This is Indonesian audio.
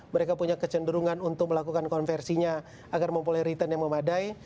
mereka punya kecenderungan untuk melakukan konversinya agar mempunyai return yang memadai